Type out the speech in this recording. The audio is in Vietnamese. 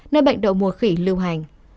nơi bệnh đậu mùa khỉ lưu hành